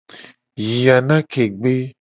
Yi anake gbe.